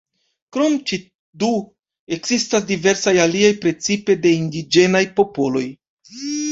Krom ĉi du, ekzistas diversaj aliaj precipe de indiĝenaj popoloj.